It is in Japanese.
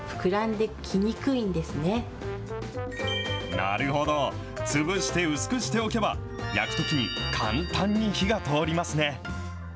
なるほど、潰して薄くしておけば、焼くときに簡単に火が通りますね。